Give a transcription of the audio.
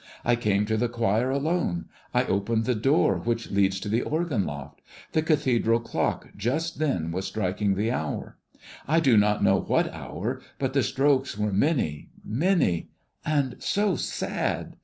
I came to the choir alone; I opened the door which leads to the organ loft. The cathedral clock just then was striking the hour; I do not know what hour, but the strokes were many, many, and so sad!